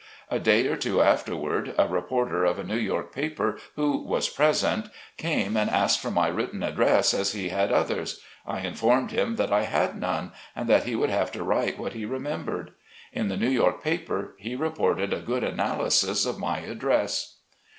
A day or two afterward, a reporter of a New York paper, who was present, came and asked for my written address, as he had others. I informed him that I had none, and that he would have to write what he remembered. In the New York paper he reported a good analysis of my address.